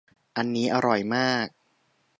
อันนี้อร่อยมาก